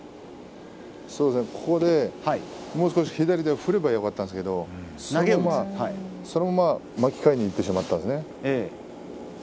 もう少し左で振ればよかったんですけれどそのまま巻き替えにいってしまったんですね。